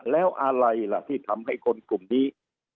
แล้วอะไรล่ะที่ทำให้คนกลุ่มนี้